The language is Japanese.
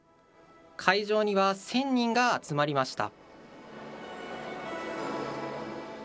会場には１０００人が集まりました。